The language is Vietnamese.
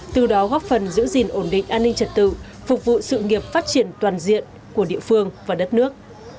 từ đó góp phần giữ gìn ổn định an ninh trật tự phục vụ sự nghiệp phát triển toàn diện của địa phương và đất nước